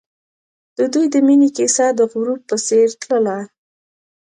د دوی د مینې کیسه د غروب په څېر تلله.